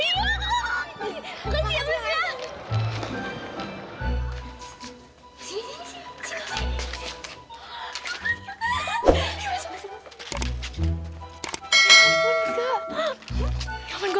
udah nanti aja